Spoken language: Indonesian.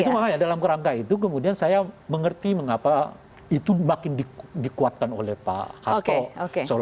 itu mah ya dalam rangka itu kemudian saya mengerti mengapa itu makin dikuatkan oleh pak hasco